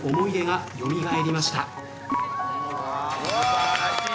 素晴らしい！